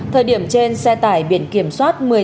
thời điểm trên xe tải biển kiểm soát